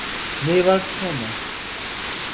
მევარ თომა